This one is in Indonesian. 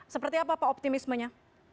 seperti apa pak optimismenya